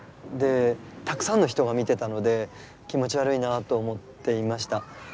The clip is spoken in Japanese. でたくさんの人が見てたので気持ち悪いなぁと思っていました。